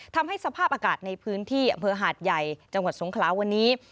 ทำให้สภาพอากาศในพื้นที่อำเภอหาดใหญ่จังหวัดสงคราวันนี้